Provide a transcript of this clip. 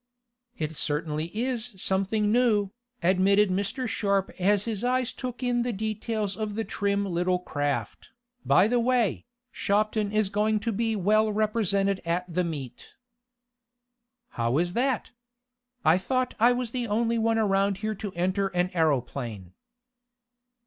"It certainly is something new," admitted Mr. Sharp as his eyes took in the details of the trim little craft. "By the way, Shopton is going to be well represented at the meet." "How is that? I thought I was the only one around here to enter an aeroplane."